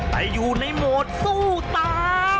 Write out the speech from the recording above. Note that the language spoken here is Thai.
แต่อยู่ในโหมดสู้ตาย